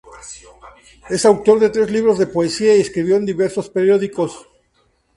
Es autor de tres libros de poesía y escribió en diversos periódicos.